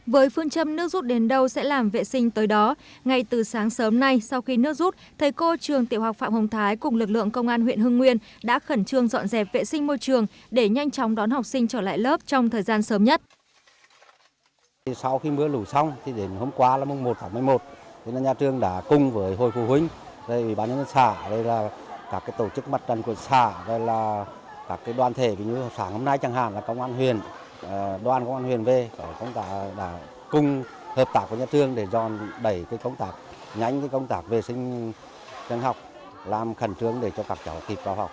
với phương châm nước rút đến đâu sẽ làm vệ sinh tới đó ngay từ sáng sớm nay sau khi nước rút thầy cô trường tiểu học phạm hồng thái cùng lực lượng công an huyện hưng nguyên đã khẩn trương dọn dẹp vệ sinh môi trường để nhanh chóng đón học sinh trở lại lớp trong thời gian sớm nhất